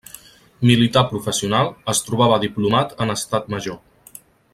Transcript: Militar professional, es trobava diplomat en Estat Major.